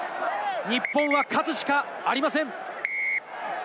日本は勝つしかありません。